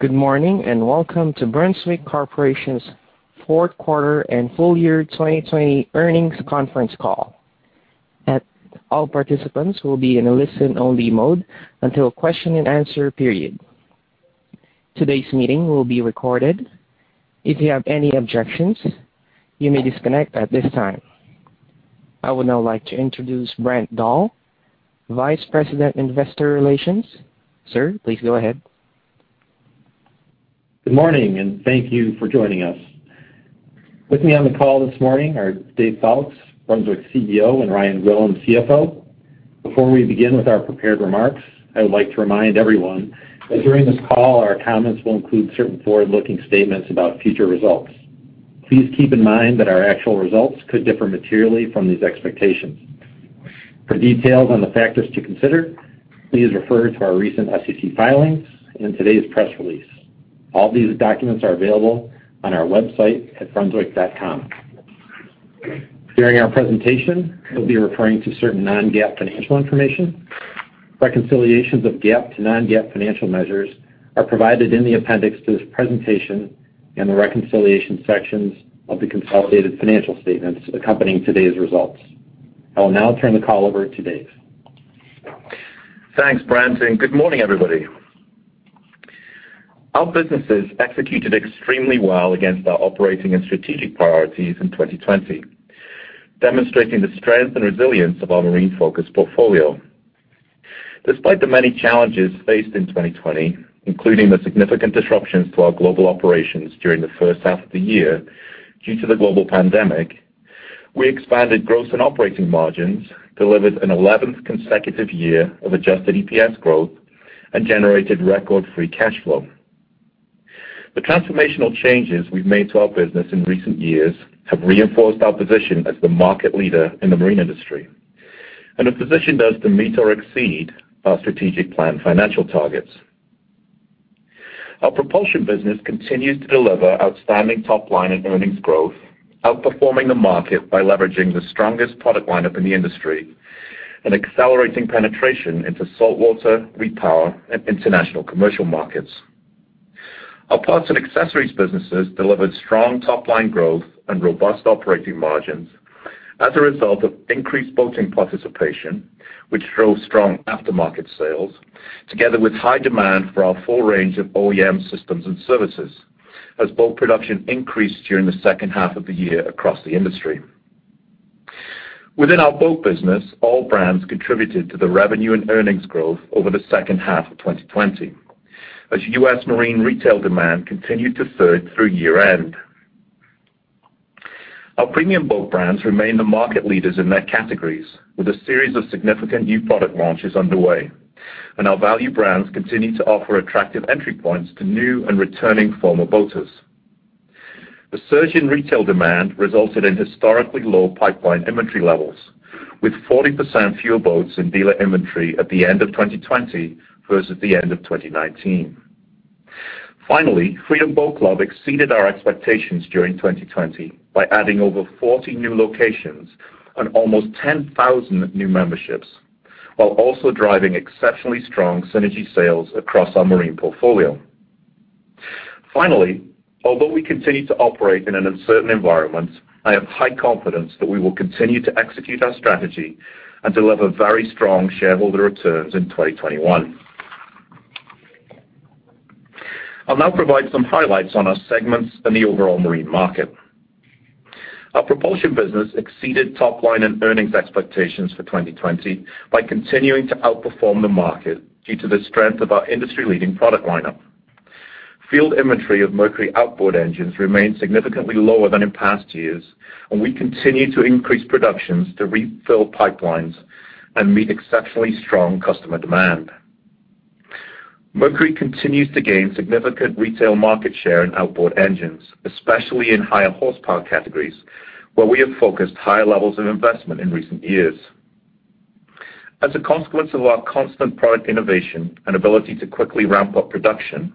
Good morning and welcome to Brunswick Corporation's Q4 and full year 2020 earnings conference call. All participants will be in a listen-only mode until the question and answer period. Today's meeting will be recorded. If you have any objections, you may disconnect at this time. I would now like to introduce Brent Dahl, Vice President, Investor Relations. Sir, please go ahead. Good morning and thank you for joining us. With me on the call this morning are Dave Foulkes, Brunswick CEO, and Ryan Gwillim, CFO. Before we begin with our prepared remarks, I would like to remind everyone that during this call, our comments will include certain forward-looking statements about future results. Please keep in mind that our actual results could differ materially from these expectations. For details on the factors to consider, please refer to our recent SEC filings and today's press release. All these documents are available on our website at brunswick.com. During our presentation, we'll be referring to certain non-GAAP financial information. Reconciliations of GAAP to non-GAAP financial measures are provided in the appendix to this presentation and the reconciliation sections of the consolidated financial statements accompanying today's results. I will now turn the call over to Dave. Thanks, Brent, and good morning, everybody. Our business has executed extremely well against our operating and strategic priorities in 2020, demonstrating the strength and resilience of our marine-focused portfolio. Despite the many challenges faced in 2020, including the significant disruptions to our global operations during the first half of the year due to the global pandemic, we expanded gross and operating margins, delivered an 11th consecutive year of adjusted EPS growth, and generated record free cash flow. The transformational changes we've made to our business in recent years have reinforced our position as the market leader in the marine industry and have positioned us to meet or exceed our strategic planned financial targets. Our propulsion business continues to deliver outstanding top-line and earnings growth, outperforming the market by leveraging the strongest product lineup in the industry and accelerating penetration into saltwater, repower, and international commercial markets. Our parts and accessories businesses delivered strong top-line growth and robust operating margins as a result of increased boating participation, which drove strong aftermarket sales, together with high demand for our full range of OEM systems and services as boat production increased during the second half of the year across the industry. Within our boat business, all brands contributed to the revenue and earnings growth over the second half of 2020 as U.S. marine retail demand continued to further through year-end. Our premium boat brands remain the market leaders in their categories, with a series of significant new product launches underway, and our value brands continue to offer attractive entry points to new and returning former boaters. The surge in retail demand resulted in historically low pipeline inventory levels, with 40% fewer boats in dealer inventory at the end of 2020 versus the end of 2019. Finally, Freedom Boat Club exceeded our expectations during 2020 by adding over 40 new locations and almost 10,000 new memberships, while also driving exceptionally strong synergy sales across our marine portfolio. Finally, although we continue to operate in an uncertain environment, I have high confidence that we will continue to execute our strategy and deliver very strong shareholder returns in 2021. I'll now provide some highlights on our segments and the overall marine market. Our propulsion business exceeded top-line and earnings expectations for 2020 by continuing to outperform the market due to the strength of our industry-leading product lineup. Field inventory of Mercury outboard engines remained significantly lower than in past years, and we continue to increase production to refill pipelines and meet exceptionally strong customer demand. Mercury continues to gain significant retail market share in outboard engines, especially in higher horsepower categories, where we have focused higher levels of investment in recent years. As a consequence of our constant product innovation and ability to quickly ramp up production,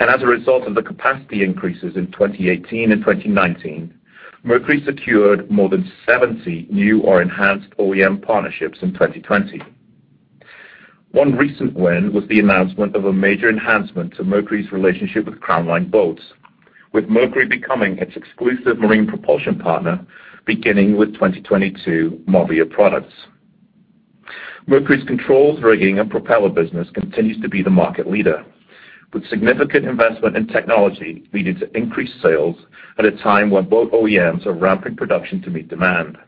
and as a result of the capacity increases in 2018 and 2019, Mercury secured more than 70 new or enhanced OEM partnerships in 2020. One recent win was the announcement of a major enhancement to Mercury's relationship with Crownline Boats, with Mercury becoming its exclusive marine propulsion partner beginning with 2022 model year products. Mercury's controls, rigging, and propeller business continues to be the market leader, with significant investment in technology leading to increased sales at a time where boat OEMs are ramping production to meet demand.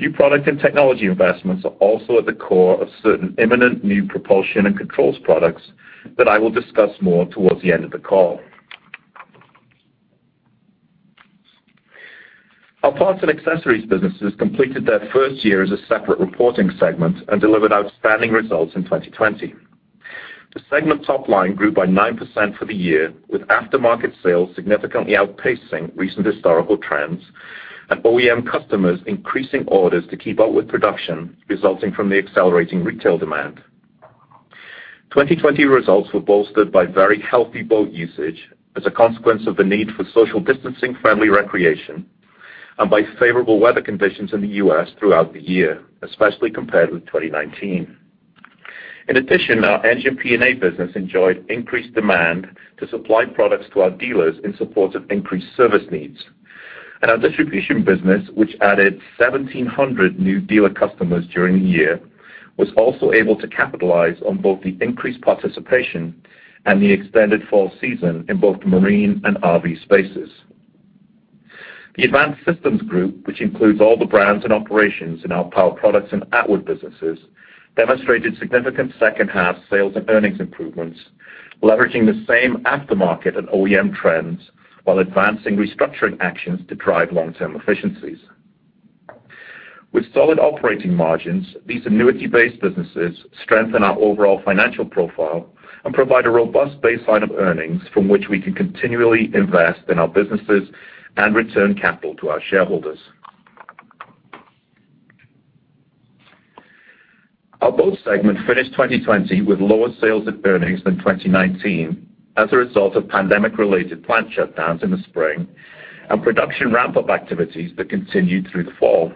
New product and technology investments are also at the core of certain imminent new propulsion and controls products that I will discuss more towards the end of the call. Our parts and accessories businesses completed their first year as a separate reporting segment and delivered outstanding results in 2020. The segment top-line grew by 9% for the year, with aftermarket sales significantly outpacing recent historical trends and OEM customers increasing orders to keep up with production resulting from the accelerating retail demand. 2020 results were bolstered by very healthy boat usage as a consequence of the need for social distancing-friendly recreation and by favorable weather conditions in the U.S. throughout the year, especially compared with 2019. In addition, our engine P&A business enjoyed increased demand to supply products to our dealers in support of increased service needs, and our distribution business, which added 1,700 new dealer customers during the year, was also able to capitalize on both the increased participation and the extended fall season in both marine and RV spaces. The Advanced Systems Group, which includes all the brands and operations in our Power Products and onboard businesses, demonstrated significant second-half sales and earnings improvements, leveraging the same aftermarket and OEM trends while advancing restructuring actions to drive long-term efficiencies. With solid operating margins, these annuity-based businesses strengthen our overall financial profile and provide a robust baseline of earnings from which we can continually invest in our businesses and return capital to our shareholders. Our Boat segment finished 2020 with lower sales and earnings than 2019 as a result of pandemic-related plant shutdowns in the spring and production ramp-up activities that continued through the fall.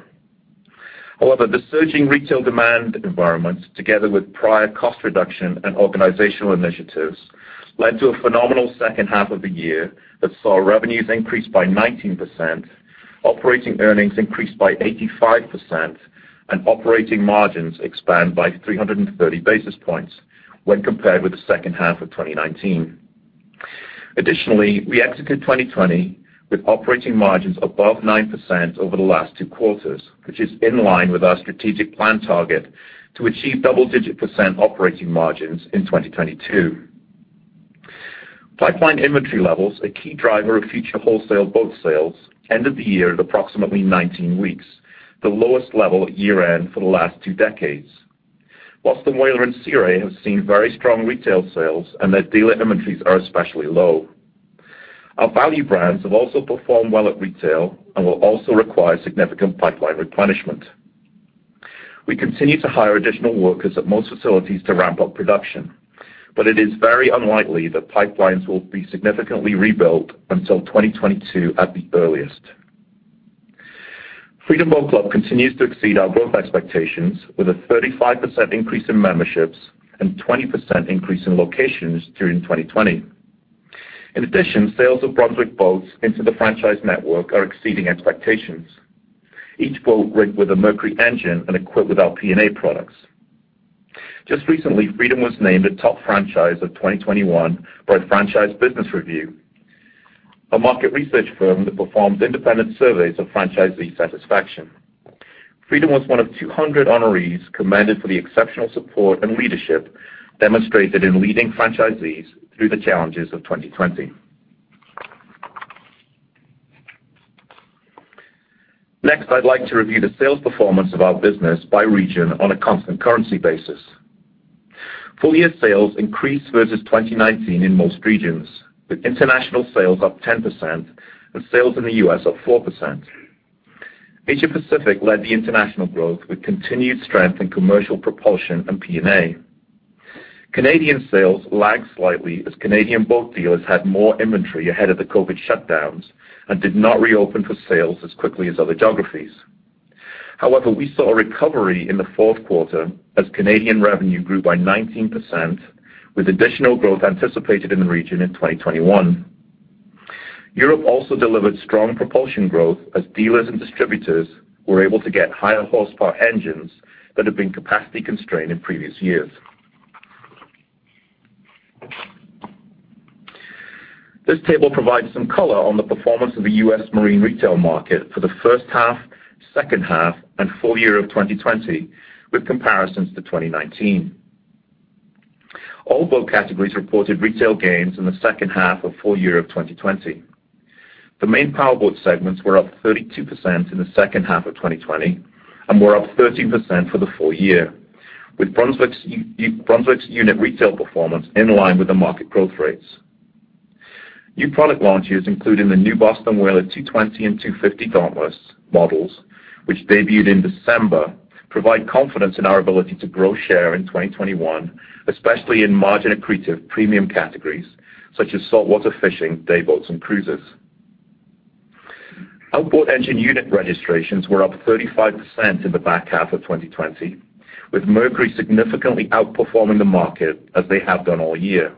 However, the surging retail demand environment, together with prior cost reduction and organizational initiatives, led to a phenomenal second half of the year that saw revenues increase by 19%, operating earnings increase by 85%, and operating margins expand by 330 basis points when compared with the second half of 2019. Additionally, we exited 2020 with operating margins above 9% over the last two quarters, which is in line with our strategic plan target to achieve double-digit % operating margins in 2022. Pipeline inventory levels, a key driver of future wholesale boat sales, ended the year at approximately 19 weeks, the lowest level year-end for the last two decades. Boston Whaler and Sea Ray have seen very strong retail sales, and their dealer inventories are especially low. Our value brands have also performed well at retail and will also require significant pipeline replenishment. We continue to hire additional workers at most facilities to ramp up production, but it is very unlikely that pipelines will be significantly rebuilt until 2022 at the earliest. Freedom Boat Club continues to exceed our growth expectations with a 35% increase in memberships and 20% increase in locations during 2020. In addition, sales of Brunswick boats into the franchise network are exceeding expectations, each boat rigged with a Mercury engine and equipped with our P&A products. Just recently, Freedom was named a top franchise of 2021 by Franchise Business Review, a market research firm that performs independent surveys of franchisee satisfaction. Freedom was one of 200 honorees commended for the exceptional support and leadership demonstrated in leading franchisees through the challenges of 2020. Next, I'd like to review the sales performance of our business by region on a constant currency basis. Full year sales increased versus 2019 in most regions, with international sales up 10% and sales in the U.S. up 4%. Asia Pacific led the international growth with continued strength in commercial propulsion and P&A. Canadian sales lagged slightly as Canadian boat dealers had more inventory ahead of the COVID shutdowns and did not reopen for sales as quickly as other geographies. However, we saw a recovery in the Q4 as Canadian revenue grew by 19%, with additional growth anticipated in the region in 2021. Europe also delivered strong propulsion growth as dealers and distributors were able to get higher horsepower engines that had been capacity constrained in previous years. This table provides some color on the performance of the U.S. marine retail market for the first half, second half, and full year of 2020, with comparisons to 2019. All boat categories reported retail gains in the second half of full year of 2020. The main power Boat segments were up 32% in the second half of 2020 and were up 13% for the full year, with Brunswick's unit retail performance in line with the market growth rates. New product launches, including the new Boston Whaler 220 and 250 Dauntless models, which debuted in December, provide confidence in our ability to grow share in 2021, especially in margin-accretive premium categories such as saltwater fishing, day boats, and cruisers. Outboard engine unit registrations were up 35% in the back half of 2020, with Mercury significantly outperforming the market as they have done all year.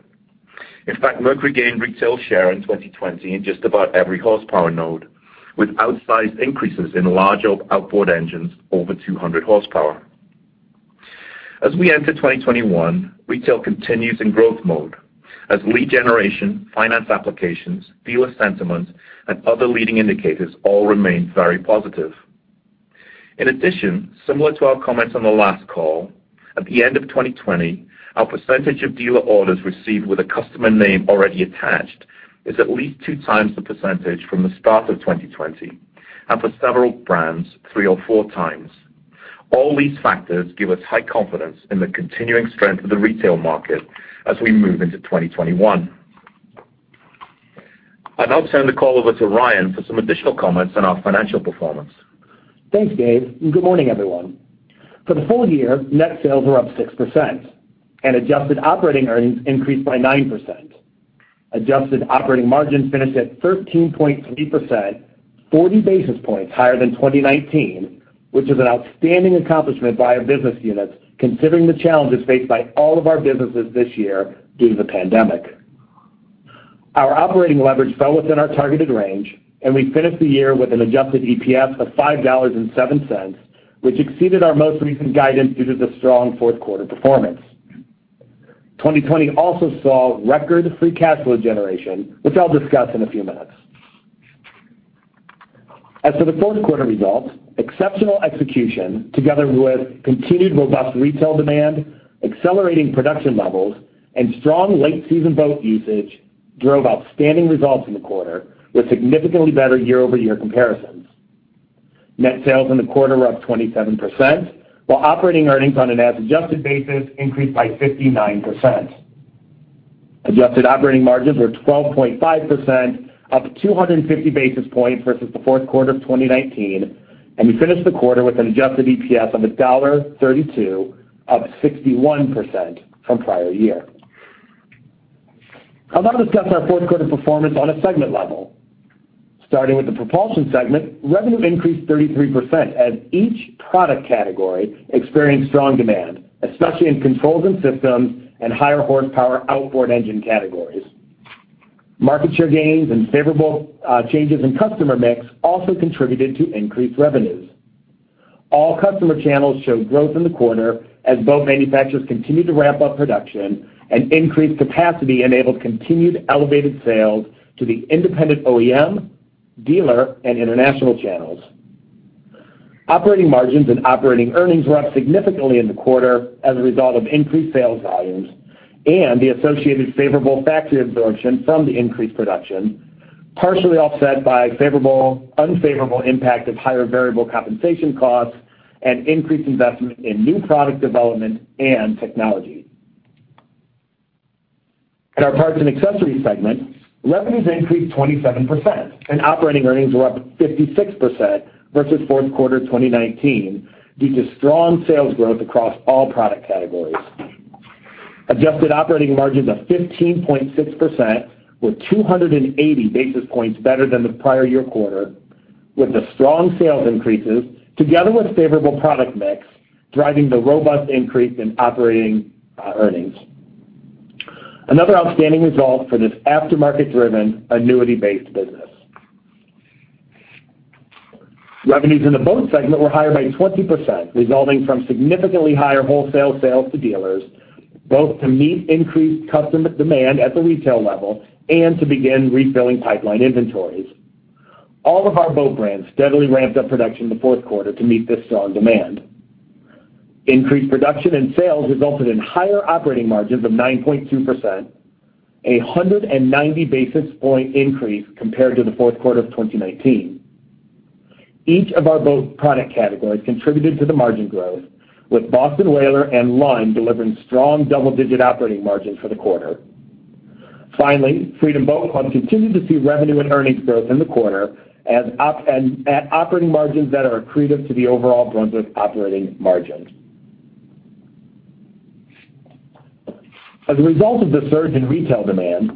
In fact, Mercury gained retail share in 2020 in just about every horsepower node, with outsized increases in large outboard engines over 200 horsepower. As we enter 2021, retail continues in growth mode as lead generation, finance applications, dealer sentiment, and other leading indicators all remain very positive. In addition, similar to our comments on the last call, at the end of 2020, our percentage of dealer orders received with a customer name already attached is at least two times the percentage from the start of 2020, and for several brands, three or four times. All these factors give us high confidence in the continuing strength of the retail market as we move into 2021. I now turn the call over to Ryan for some additional comments on our financial performance. Thanks, Dave, and good morning, everyone. For the full year, net sales were up 6%, and adjusted operating earnings increased by 9%. Adjusted operating margins finished at 13.3%, 40 basis points higher than 2019, which is an outstanding accomplishment by our business units, considering the challenges faced by all of our businesses this year due to the pandemic. Our operating leverage fell within our targeted range, and we finished the year with an adjusted EPS of $5.07, which exceeded our most recent guidance due to the strong Q4 performance. 2020 also saw record free cash flow generation, which I'll discuss in a few minutes. As for the Q4 results, exceptional execution, together with continued robust retail demand, accelerating production levels, and strong late-season boat usage, drove outstanding results in the quarter, with significantly better year-over-year comparisons. Net sales in the quarter were up 27%, while operating earnings on an adjusted basis increased by 59%. Adjusted operating margins were 12.5%, up 250 basis points versus the Q4 of 2019, and we finished the quarter with an adjusted EPS of $1.32, up 61% from prior year. I'll now discuss our Q4 performance on a segment level. Starting with the Propulsion segment, revenue increased 33% as each product category experienced strong demand, especially in controls and systems and higher horsepower outboard engine categories. Market share gains and favorable changes in customer mix also contributed to increased revenues. All customer channels showed growth in the quarter as boat manufacturers continued to ramp up production, and increased capacity enabled continued elevated sales to the independent OEM, dealer, and international channels. Operating margins and operating earnings were up significantly in the quarter as a result of increased sales volumes and the associated favorable factory absorption from the increased production, partially offset by unfavorable impact of higher variable compensation costs and increased investment in new product development and technology. In our Parts and Accessories segment, revenues increased 27%, and operating earnings were up 56% versus Q4 2019 due to strong sales growth across all product categories. Adjusted operating margins of 15.6% were 280 basis points better than the prior year quarter, with the strong sales increases together with favorable product mix driving the robust increase in operating earnings. Another outstanding result for this aftermarket-driven, annuity-based business. Revenues in the Boat segment were higher by 20%, resulting from significantly higher wholesale sales to dealers, both to meet increased customer demand at the retail level and to begin refilling pipeline inventories. All of our boat brands steadily ramped up production in the Q4 to meet this strong demand. Increased production and sales resulted in higher operating margins of 9.2%, a 190 basis points increase compared to the Q4 of 2019. Each of our boat product categories contributed to the margin growth, with Boston Whaler and Lund delivering strong double-digit operating margins for the quarter. Finally, Freedom Boat Club continued to see revenue and earnings growth in the quarter at operating margins that are accretive to the overall Brunswick operating margins. As a result of the surge in retail demand,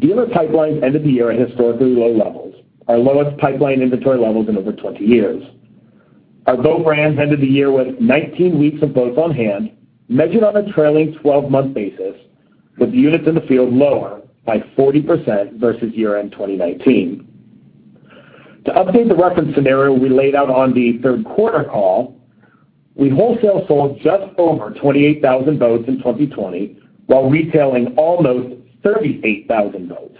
dealer pipelines ended the year at historically low levels, our lowest pipeline inventory levels in over 20 years. Our boat brands ended the year with 19 weeks of boats on hand, measured on a trailing 12-month basis, with units in the field lower by 40% versus year-end 2019. To update the reference scenario we laid out on the Q3 call, we wholesale sold just over 28,000 boats in 2020 while retailing almost 38,000 boats.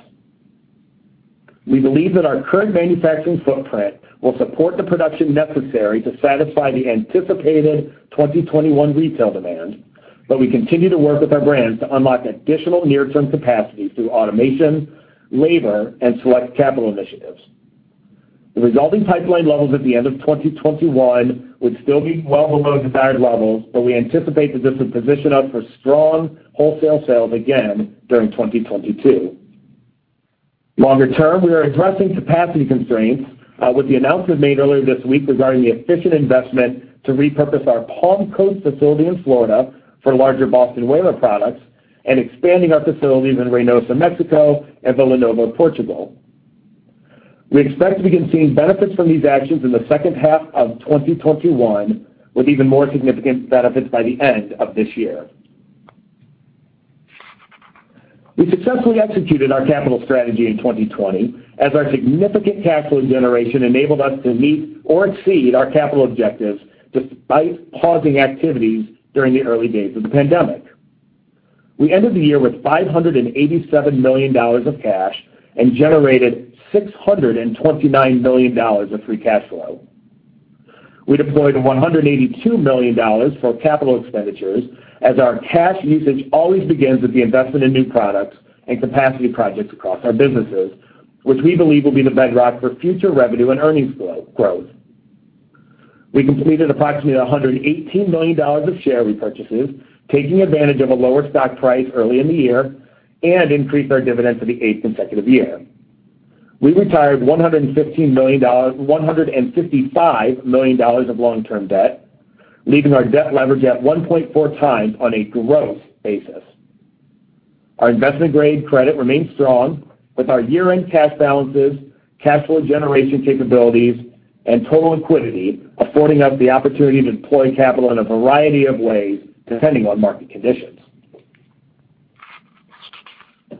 We believe that our current manufacturing footprint will support the production necessary to satisfy the anticipated 2021 retail demand, but we continue to work with our brands to unlock additional near-term capacity through automation, labor, and select capital initiatives. The resulting pipeline levels at the end of 2021 would still be well below desired levels, but we anticipate that this will position us for strong wholesale sales again during 2022. Longer term, we are addressing capacity constraints with the announcement made earlier this week regarding the efficient investment to repurpose our Palm Coast, Florida facility for larger Boston Whaler products and expanding our facilities in Reynosa, Mexico, and Vila Nova de Cerveira, Portugal. We expect to begin seeing benefits from these actions in the second half of 2021, with even more significant benefits by the end of this year. We successfully executed our capital strategy in 2020 as our significant cash flow generation enabled us to meet or exceed our capital objectives despite pausing activities during the early days of the pandemic. We ended the year with $587 million of cash and generated $629 million of free cash flow. We deployed $182 million for capital expenditures as our cash usage always begins with the investment in new products and capacity projects across our businesses, which we believe will be the bedrock for future revenue and earnings growth. We completed approximately $118 million of share repurchases, taking advantage of a lower stock price early in the year and increased our dividends for the eighth consecutive year. We retired $155 million of long-term debt, leaving our debt leverage at 1.4 times on a growth basis. Our investment-grade credit remains strong, with our year-end cash balances, cash flow generation capabilities, and total liquidity affording us the opportunity to deploy capital in a variety of ways depending on market conditions.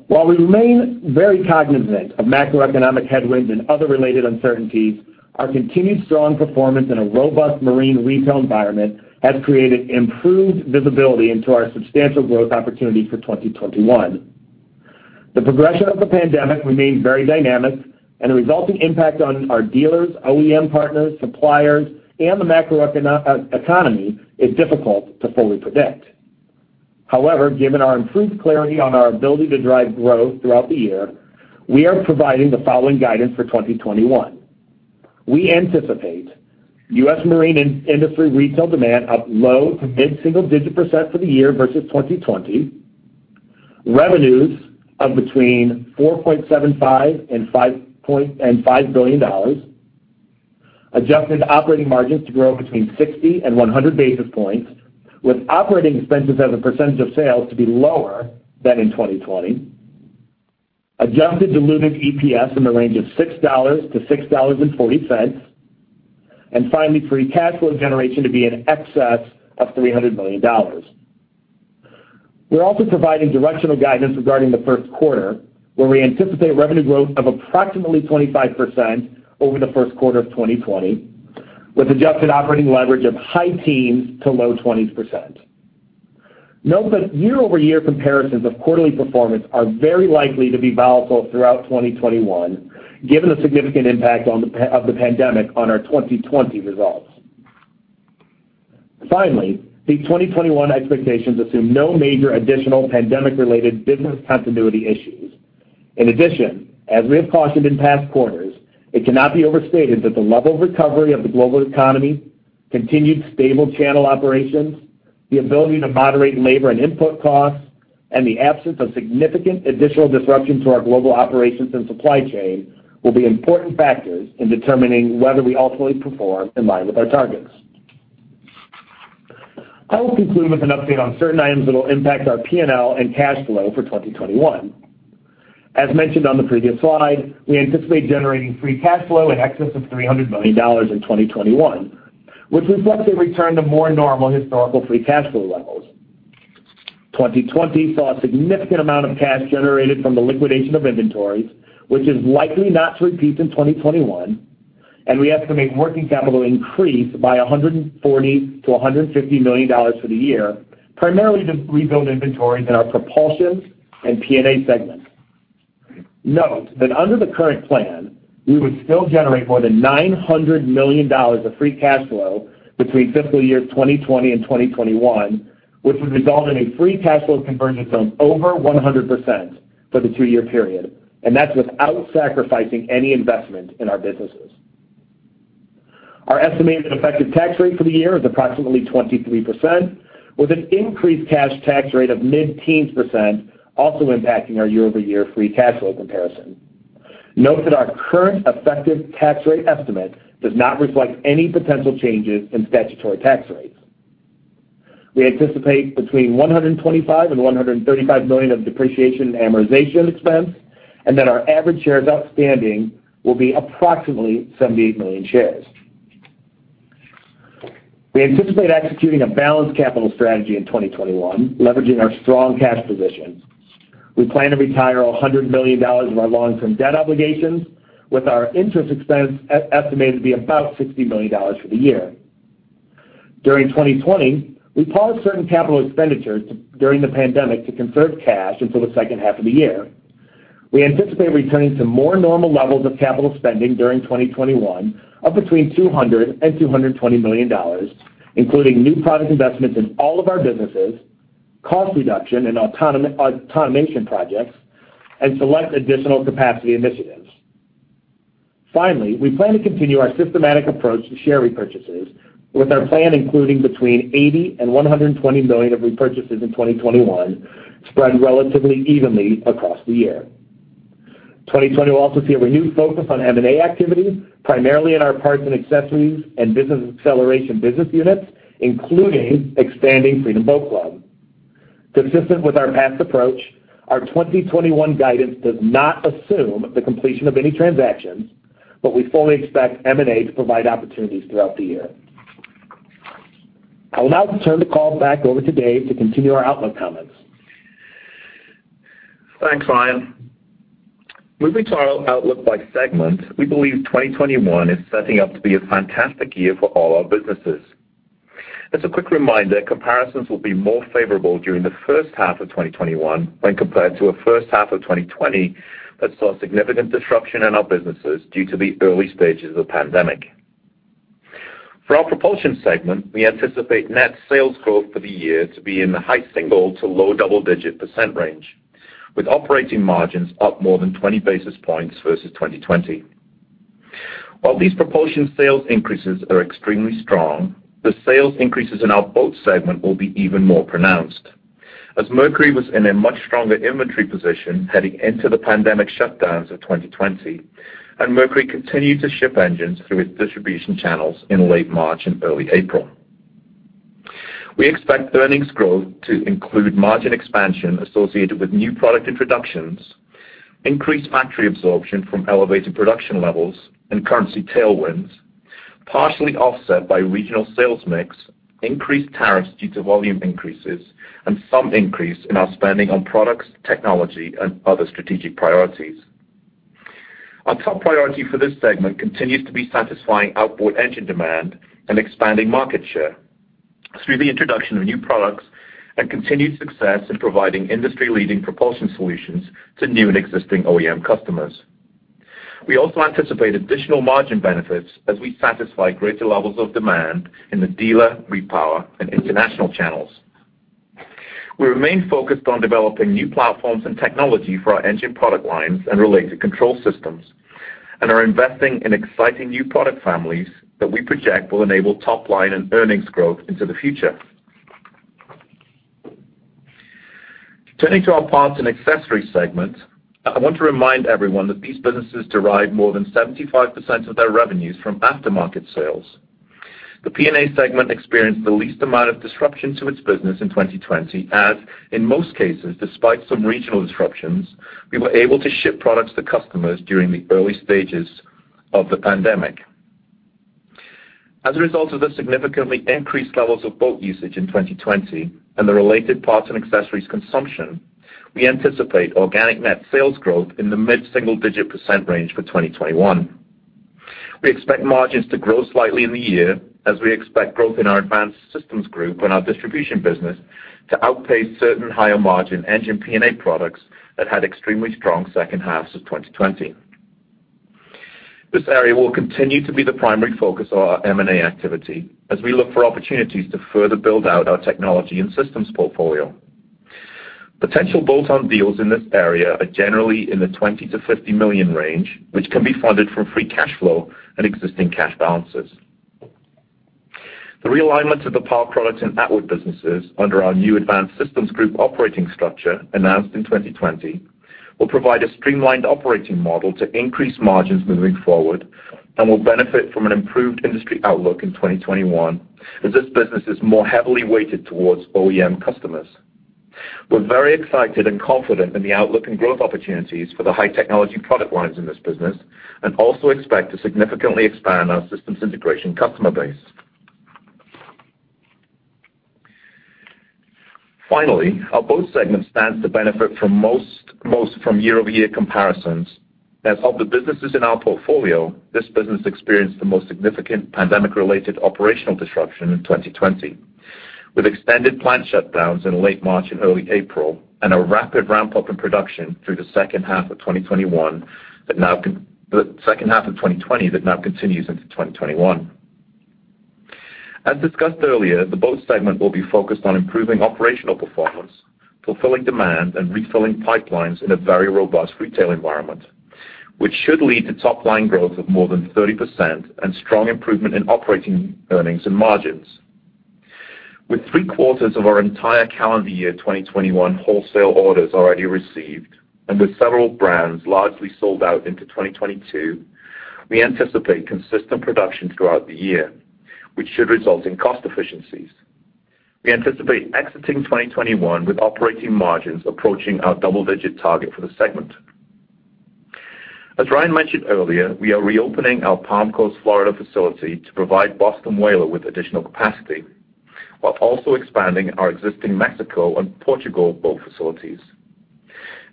While we remain very cognizant of macroeconomic headwinds and other related uncertainties, our continued strong performance in a robust marine retail environment has created improved visibility into our substantial growth opportunities for 2021. The progression of the pandemic remains very dynamic, and the resulting impact on our dealers, OEM partners, suppliers, and the vmacroeconomic environment is difficult to fully predict. However, given our improved clarity on our ability to drive growth throughout the year, we are providing the following guidance for 2021. We anticipate U.S. marine industry retail demand up low- to mid-single-digit % for the year versus 2020, revenues of between $4.75 billion and $5 billion, adjusted operating margins to grow between 60 and 100 basis points, with operating expenses as a percentage of sales to be lower than in 2020, adjusted diluted EPS in the range of $6-$6.40, and finally, free cash flow generation to be in excess of $300 million. We're also providing directional guidance regarding the first quarter, where we anticipate revenue growth of approximately 25% over the first quarter of 2020, with adjusted operating leverage of high teens to low 20%. Note that year-over-year comparisons of quarterly performance are very likely to be volatile throughout 2021, given the significant impact of the pandemic on our 2020 results. Finally, the 2021 expectations assume no major additional pandemic-related business continuity issues. In addition, as we have cautioned in past quarters, it cannot be overstated that the level of recovery of the global economy, continued stable channel operations, the ability to moderate labor and input costs, and the absence of significant additional disruption to our global operations and supply chain will be important factors in determining whether we ultimately perform in line with our targets. I will conclude with an update on certain items that will impact our P&L and cash flow for 2021. As mentioned on the previous slide, we anticipate generating free cash flow in excess of $300 million in 2021, which reflects a return to more normal historical free cash flow levels. 2020 saw a significant amount of cash generated from the liquidation of inventories, which is likely not to repeat in 2021, and we estimate working capital increase by $140 million-$150 million for the year, primarily to rebuild inventories in our propulsion and P&A segment. Note that under the current plan, we would still generate more than $900 million of free cash flow between fiscal year 2020 and 2021, which would result in a free cash flow convergence of over 100% for the two-year period, and that's without sacrificing any investment in our businesses. Our estimated effective tax rate for the year is approximately 23%, with an increased cash tax rate of mid-teens% also impacting our year-over-year free cash flow comparison. Note that our current effective tax rate estimate does not reflect any potential changes in statutory tax rates. We anticipate between $125 and $135 million of depreciation and amortization expense, and that our average shares outstanding will be approximately 78 million shares. We anticipate executing a balanced capital strategy in 2021, leveraging our strong cash positions. We plan to retire $100 million of our long-term debt obligations, with our interest expense estimated to be about $60 million for the year. During 2020, we paused certain capital expenditures during the pandemic to conserve cash until the second half of the year. We anticipate returning to more normal levels of capital spending during 2021 of between $200 million-$220 million, including new product investments in all of our businesses, cost reduction and automation projects, and select additional capacity initiatives. Finally, we plan to continue our systematic approach to share repurchases, with our plan including between $80 million-$120 million of repurchases in 2021 spread relatively evenly across the year. 2020 will also see a renewed focus on M&A activity, primarily in our parts and accessories and Business Acceleration business units, including expanding Freedom Boat Club. Consistent with our past approach, our 2021 guidance does not assume the completion of any transactions, but we fully expect M&A to provide opportunities throughout the year. I will now turn the call back over to Dave to continue our outlook comments. Thanks, Ryan. Moving to our outlook by segment, we believe 2021 is setting up to be a fantastic year for all our businesses. As a quick reminder, comparisons will be more favorable during the first half of 2021 when compared to a first half of 2020 that saw significant disruption in our businesses due to the early stages of the pandemic. For our Propulsion segment, we anticipate net sales growth for the year to be in the high single- to low double-digit % range, with operating margins up more than 20 basis points versus 2020. While these propulsion sales increases are extremely strong, the sales increases in our Boat segment will be even more pronounced, as Mercury was in a much stronger inventory position heading into the pandemic shutdowns of 2020, and Mercury continued to ship engines through its distribution channels in late March and early April. We expect earnings growth to include margin expansion associated with new product introductions, increased factory absorption from elevated production levels, and currency tailwinds, partially offset by regional sales mix, increased tariffs due to volume increases, and some increase in our spending on products, technology, and other strategic priorities. Our top priority for this segment continues to be satisfying outboard engine demand and expanding market share through the introduction of new products and continued success in providing industry-leading propulsion solutions to new and existing OEM customers. We also anticipate additional margin benefits as we satisfy greater levels of demand in the dealer, repower, and international channels. We remain focused on developing new platforms and technology for our engine product lines and related control systems and are investing in exciting new product families that we project will enable top-line and earnings growth into the future. Turning to our Parts and Accessories segment, I want to remind everyone that these businesses derive more than 75% of their revenues from aftermarket sales. The P&A segment experienced the least amount of disruption to its business in 2020 as, in most cases, despite some regional disruptions, we were able to ship products to customers during the early stages of the pandemic. As a result of the significantly increased levels of boat usage in 2020 and the related parts and accessories consumption, we anticipate organic net sales growth in the mid-single digit % range for 2021. We expect margins to grow slightly in the year as we expect growth in our Advanced Systems Group and our distribution business to outpace certain higher-margin engine P&A products that had extremely strong second halves of 2020. This area will continue to be the primary focus of our M&A activity as we look for opportunities to further build out our technology and systems portfolio. Potential bolt-on deals in this area are generally in the $20 million-$50 million range, which can be funded from free cash flow and existing cash balances. The realignment of the Power Products and outboard businesses under our new Advanced Systems Group operating structure announced in 2020 will provide a streamlined operating model to increase margins moving forward and will benefit from an improved industry outlook in 2021 as this business is more heavily weighted towards OEM customers. We're very excited and confident in the outlook and growth opportunities for the high-technology product lines in this business and also expect to significantly expand our systems integration customer base. Finally, our Boat segment stands to benefit from year-over-year comparisons as one of the businesses in our portfolio, this business experienced the most significant pandemic-related operational disruption in 2020, with extended plant shutdowns in late March and early April and a rapid ramp-up in production through the second half of 2020 that now continues into 2021. As discussed earlier, the Boat segment will be focused on improving operational performance, fulfilling demand, and refilling pipelines in a very robust retail environment, which should lead to top-line growth of more than 30% and strong improvement in operating earnings and margins. With three-quarters of our entire calendar year 2021 wholesale orders already received and with several brands largely sold out into 2022, we anticipate consistent production throughout the year, which should result in cost efficiencies. We anticipate exiting 2021 with operating margins approaching our double-digit target for the segment. As Ryan mentioned earlier, we are reopening our Palm Coast, Florida facility to provide Boston Whaler with additional capacity while also expanding our existing Mexico and Portugal boat facilities.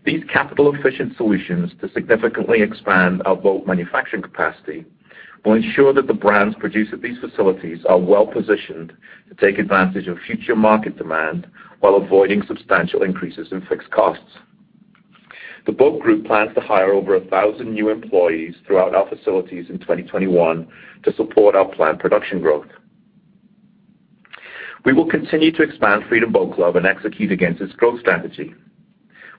These capital-efficient solutions to significantly expand our boat manufacturing capacity will ensure that the brands produced at these facilities are well-positioned to take advantage of future market demand while avoiding substantial increases in fixed costs. The boat group plans to hire over 1,000 new employees throughout our facilities in 2021 to support our plant production growth. We will continue to expand Freedom Boat Club and execute against its growth strategy.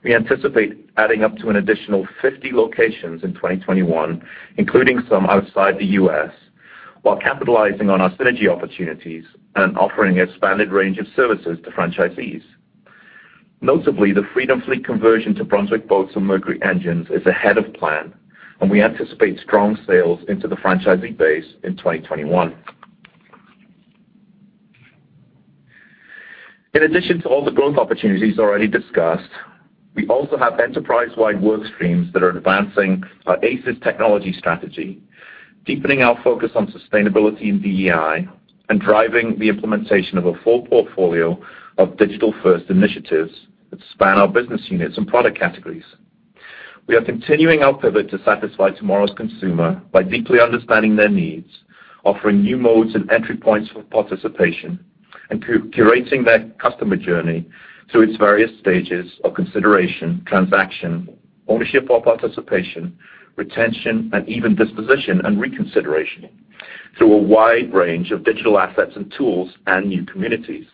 We anticipate adding up to an additional 50 locations in 2021, including some outside the US, while capitalizing on our synergy opportunities and offering an expanded range of services to franchisees. Notably, the Freedom Fleet conversion to Brunswick boats and Mercury engines is ahead of plan, and we anticipate strong sales into the franchisee base in 2021. In addition to all the growth opportunities already discussed, we also have enterprise-wide work streams that are advancing our ACES technology strategy, deepening our focus on sustainability and DEI, and driving the implementation of a full portfolio of digital-first initiatives that span our business units and product categories. We are continuing our pivot to satisfy tomorrow's consumer by deeply understanding their needs, offering new modes and entry points for participation, and curating their customer journey through its various stages of consideration, transaction, ownership or participation, retention, and even disposition and reconsideration through a wide range of digital assets and tools and new communities.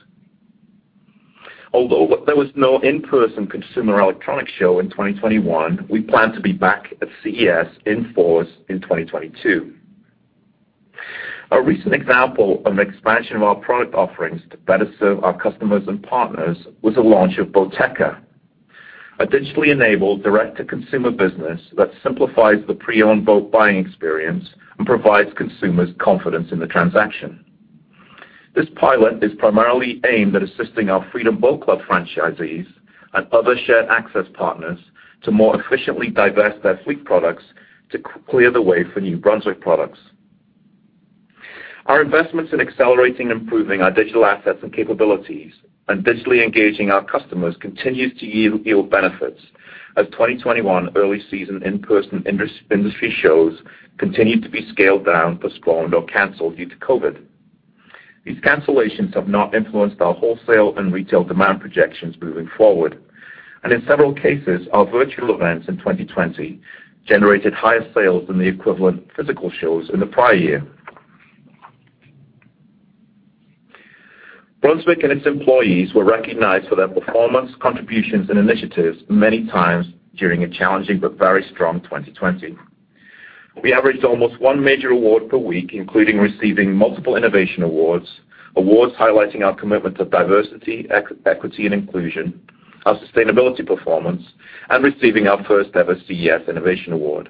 Although there was no in-person consumer electronics show in 2021, we plan to be back at CES in force in 2022. A recent example of an expansion of our product offerings to better serve our customers and partners was the launch of Boateka, a digitally-enabled direct-to-consumer business that simplifies the pre-owned boat buying experience and provides consumers confidence in the transaction. This pilot is primarily aimed at assisting our Freedom Boat Club franchisees and other shared access partners to more efficiently diversify their fleet products to clear the way for new Brunswick products. Our investments in accelerating and improving our digital assets and capabilities and digitally engaging our customers continue to yield benefits as 2021 early season in-person industry shows continued to be scaled down, postponed, or canceled due to COVID. These cancellations have not influenced our wholesale and retail demand projections moving forward, and in several cases, our virtual events in 2020 generated higher sales than the equivalent physical shows in the prior year. Brunswick and its employees were recognized for their performance, contributions, and initiatives many times during a challenging but very strong 2020. We averaged almost one major award per week, including receiving multiple innovation awards, awards highlighting our commitment to diversity, equity, and inclusion, our sustainability performance, and receiving our first-ever CES Innovation Award.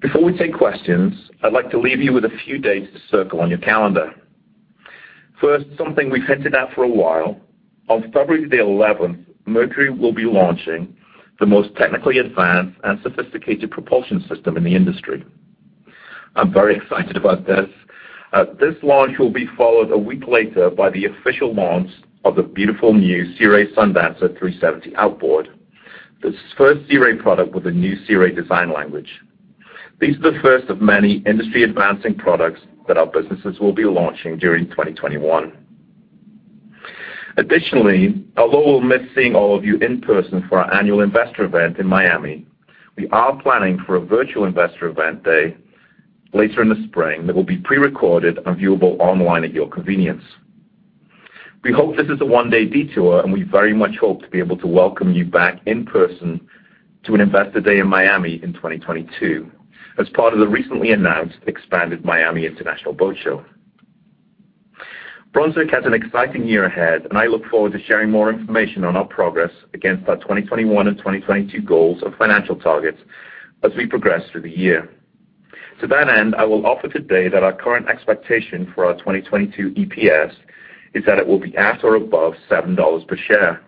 Before we take questions, I'd like to leave you with a few dates to circle on your calendar. First, something we've hinted at for a while. On February the 11th, Mercury will be launching the most technically advanced and sophisticated propulsion system in the industry. I'm very excited about this. This launch will be followed a week later by the official launch of the beautiful new Sea Ray Sundancer 370 Outboard, the first Sea Ray product with a new Sea Ray design language. These are the first of many industry-advancing products that our businesses will be launching during 2021. Additionally, although we'll miss seeing all of you in person for our annual investor event in Miami, we are planning for a virtual investor event day later in the spring that will be pre-recorded and viewable online at your convenience. We hope this is a one-day detour, and we very much hope to be able to welcome you back in person to an investor day in Miami in 2022 as part of the recently announced expanded Miami International Boat Show. Brunswick has an exciting year ahead, and I look forward to sharing more information on our progress against our 2021 and 2022 goals and financial targets as we progress through the year. To that end, I will offer today that our current expectation for our 2022 EPS is that it will be at or above $7 per share.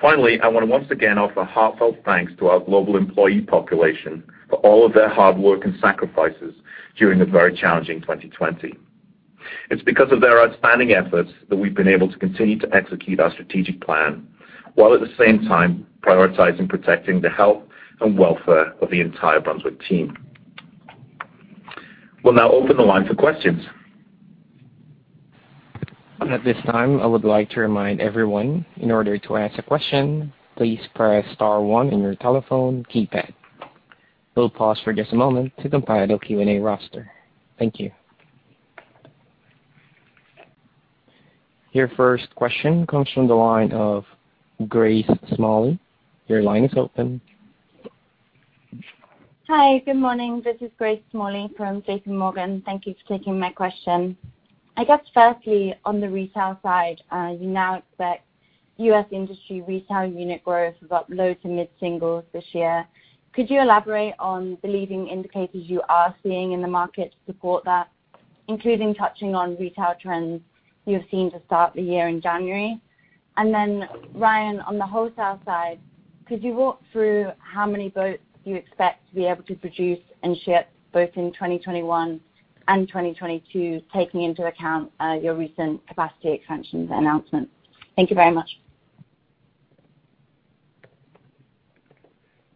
Finally, I want to once again offer heartfelt thanks to our global employee population for all of their hard work and sacrifices during a very challenging 2020. It's because of their outstanding efforts that we've been able to continue to execute our strategic plan while at the same time prioritizing protecting the health and welfare of the entire Brunswick team. We'll now open the line for questions. At this time, I would like to remind everyone, in order to ask a question, please press star one in your telephone keypad. We'll pause for just a moment to compile the Q&A roster. Thank you. Your first question comes from the line of Grace Smalley. Your line is open. Hi, good morning. This is Grace Smalley from JP Morgan. Thank you for taking my question. I guess, firstly, on the retail side, you now expect U.S. industry retail unit growth of up low to mid singles this year. Could you elaborate on the leading indicators you are seeing in the market to support that, including touching on retail trends you have seen to start the year in January? And then, Ryan, on the wholesale side, could you walk through how many boats you expect to be able to produce and ship both in 2021 and 2022, taking into account your recent capacity expansion announcement? Thank you very much.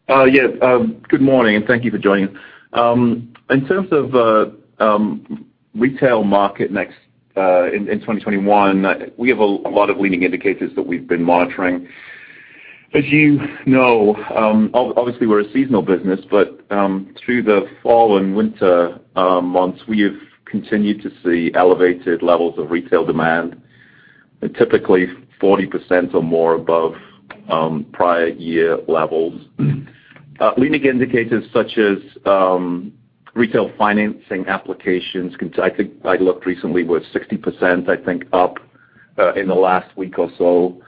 Yeah, good morning, and thank you for joining. In terms of retail market in 2021, we have a lot of leading indicators that we've been monitoring. As you know, obviously, we're a seasonal business, but through the fall and winter months, we have continued to see elevated levels of retail demand, typically 40% or more above prior year levels. Leading indicators such as retail financing applications, I looked recently, were 60%, I think, up in the last week or so.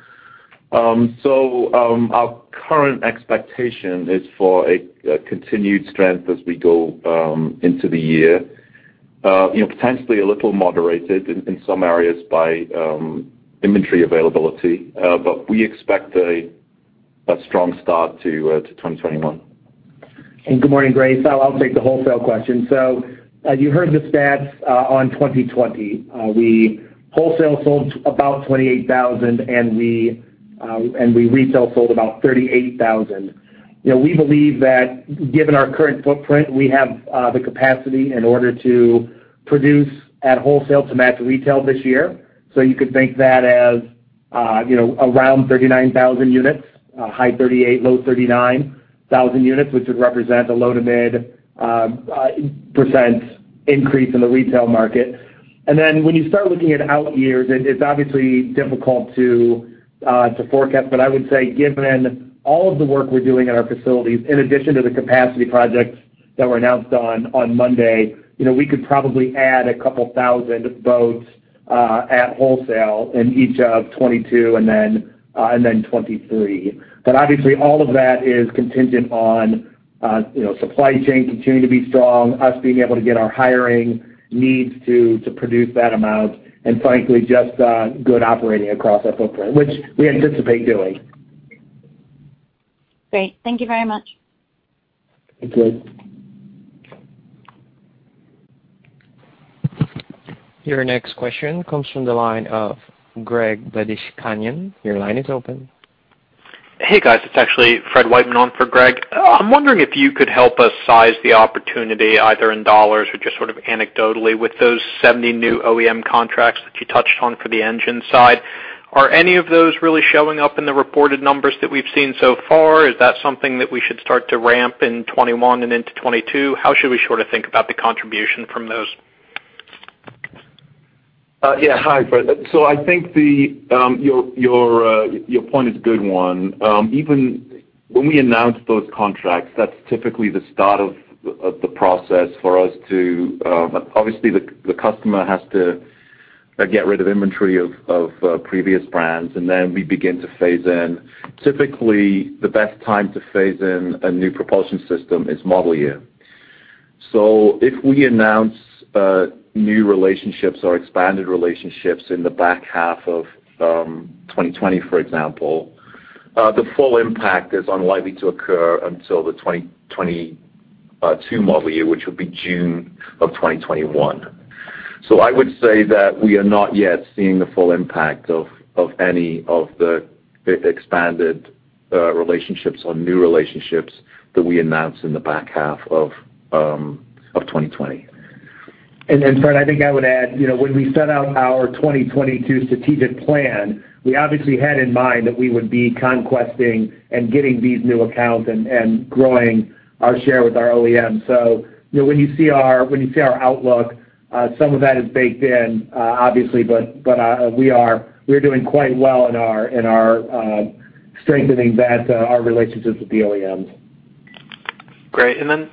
So our current expectation is for a continued strength as we go into the year, potentially a little moderated in some areas by inventory availability, but we expect a strong start to 2021. Good morning, Grace. I'll take the wholesale question. So you heard the stats on 2020. We wholesale sold about 28,000, and we retail sold about 38,000. We believe that, given our current footprint, we have the capacity in order to produce at wholesale to match retail this year. So you could think that as around 39,000 units, high 38, low 39,000 units, which would represent a low to mid % increase in the retail market. Then when you start looking at out years, it's obviously difficult to forecast, but I would say, given all of the work we're doing at our facilities, in addition to the capacity projects that were announced on Monday, we could probably add a couple thousand boats at wholesale in each of 2022 and then 2023. But obviously, all of that is contingent on supply chain continuing to be strong, us being able to get our hiring needs to produce that amount, and frankly, just good operating across our footprint, which we anticipate doing. Great. Thank you very much. Thank you. Your next question comes from the line of Greg Badishkanian. Your line is open. Hey, guys. It's actually Fred Wightman on for Greg. I'm wondering if you could help us size the opportunity either in dollars or just sort of anecdotally with those 70 new OEM contracts that you touched on for the engine side. Are any of those really showing up in the reported numbers that we've seen so far? Is that something that we should start to ramp in 2021 and into 2022? How should we sort of think about the contribution from those? Yeah, hi, Fred. So I think your point is a good one. Even when we announce those contracts, that's typically the start of the process for us to obviously, the customer has to get rid of inventory of previous brands, and then we begin to phase in. Typically, the best time to phase in a new propulsion system is model year. So if we announce new relationships or expanded relationships in the back half of 2020, for example, the full impact is unlikely to occur until the 2022 model year, which would be June of 2021. So I would say that we are not yet seeing the full impact of any of the expanded relationships or new relationships that we announce in the back half of 2020. And, Fred, I think I would add, when we set out our 2022 strategic plan, we obviously had in mind that we would be conquesting and getting these new accounts and growing our share with our OEM. So when you see our outlook, some of that is baked in, obviously, but we are doing quite well in strengthening our relationships with the OEMs. Great. And then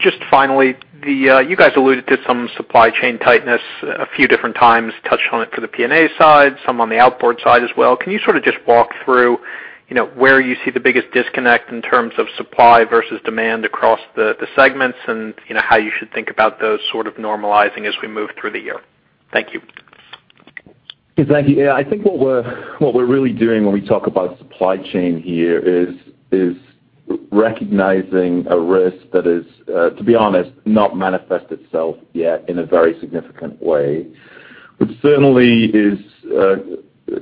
just finally, you guys alluded to some supply chain tightness a few different times, touched on it for the P&A side, some on the outboard side as well. Can you sort of just walk through where you see the biggest disconnect in terms of supply versus demand across the segments and how you should think about those sort of normalizing as we move through the year? Thank you. Thank you. Yeah, I think what we're really doing when we talk about supply chain here is recognizing a risk that is, to be honest, not manifested itself yet in a very significant way, but certainly is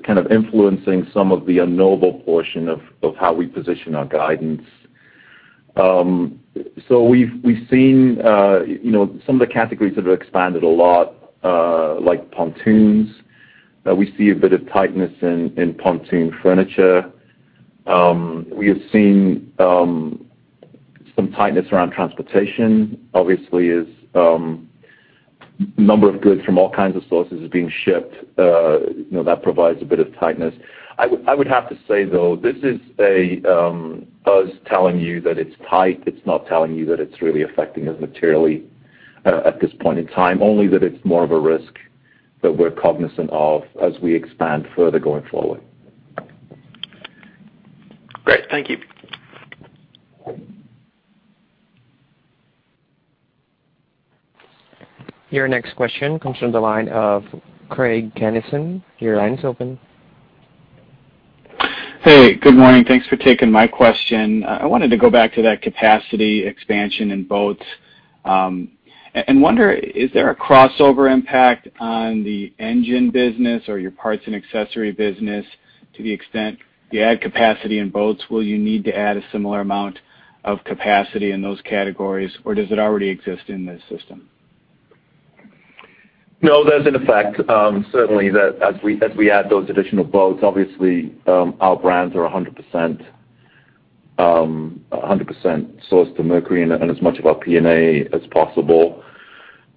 kind of influencing some of the knowable portion of how we position our guidance. So we've seen some of the categories that have expanded a lot, like pontoons. We see a bit of tightness in pontoon furniture. We have seen some tightness around transportation. Obviously, a number of goods from all kinds of sources are being shipped. That provides a bit of tightness. I would have to say, though, this is us telling you that it's tight. It's not telling you that it's really affecting us materially at this point in time, only that it's more of a risk that we're cognizant of as we expand further going forward. Great. Thank you. Your next question comes from the line of Craig Kennison. Your line is open. Hey, good morning. Thanks for taking my question. I wanted to go back to that capacity expansion in boats and wonder, is there a crossover impact on the engine business or your parts and accessory business to the extent you add capacity in boats? Will you need to add a similar amount of capacity in those categories, or does it already exist in this system? No, there's an effect. Certainly, as we add those additional boats, obviously, our brands are 100% sourced to Mercury and as much of our P&A as possible.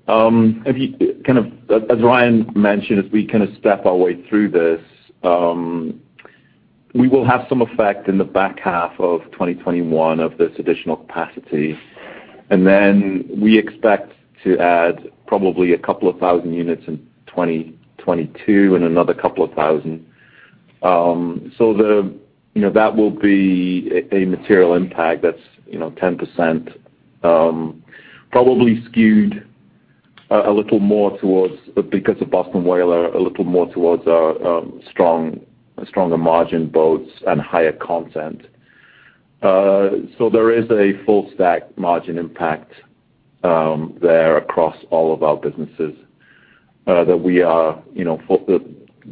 Kind of as Ryan mentioned, as we kind of step our way through this, we will have some effect in the back half of 2021 of this additional capacity. And then we expect to add probably a couple of thousand units in 2022 and another couple of thousand. So that will be a material impact that's 10%, probably skewed a little more towards because of Boston Whaler, a little more towards our stronger margin boats and higher content. So there is a full-stack margin impact there across all of our businesses that we are